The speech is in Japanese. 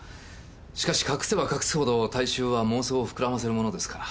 しかし隠せば隠すほど大衆は妄想を膨らませるものですから。